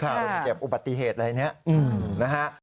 ครับถ้าเจ็บอุปัติเหตุอะไรนะฮะ